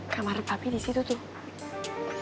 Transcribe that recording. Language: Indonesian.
kamar papi disitu tuh